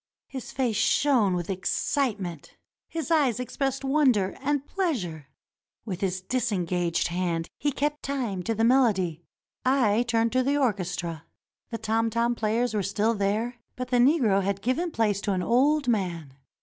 His face shone with excitement; his eyes expressed wonder and pleasure. With his disengaged hand he kept time to the melody. I turned to the orchestra. The tom tom players were still there, but the Negro had given place to an old man.